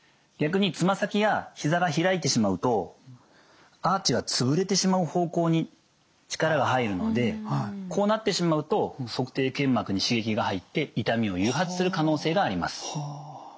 逆につま先や膝が開いてしまうとアーチが潰れてしまう方向に力が入るのでこうなってしまうと足底腱膜に刺激が入って痛みを誘発する可能性があります。